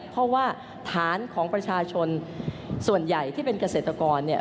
เพราะว่าฐานของประชาชนส่วนใหญ่ที่เป็นเกษตรกรเนี่ย